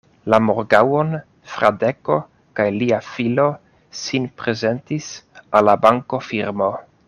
La morgaŭon, Fradeko kaj lia filo sin prezentis al la bankofirmo.